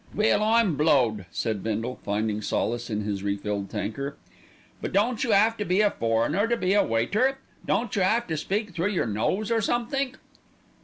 "Well, I'm blowed!" said Bindle, finding solace in his refilled tankard. "But don't you 'ave to be a foreigner to be a waiter? Don't you 'ave to speak through your nose or somethink?"